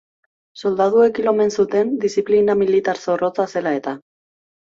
Soldaduek hil omen zuten diziplina militar zorrotza zela eta.